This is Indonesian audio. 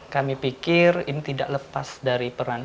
kami pikir ini tidak lepas dari peran